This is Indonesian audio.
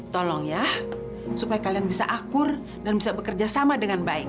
tolong ya supaya kalian bisa akur dan bisa bekerja sama dengan baik